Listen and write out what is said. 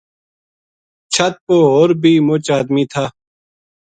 چھَت پو ہور بھی مُچ ادمی تھا